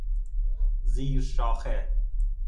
زیر شاخه